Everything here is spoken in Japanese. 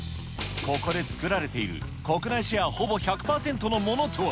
ここで作られている国内シェアほぼ１００％のものとは。